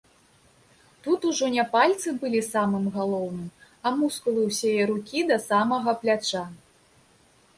Тут ужо не пальцы былі самым галоўным, а мускулы ўсяе рукі да самага пляча.